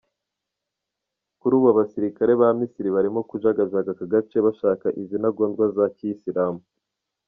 Kuri ubu abasirikare ba Misiri barimo kujagajaga aka gace bashaka izi ntangondwa za kiyisilamu.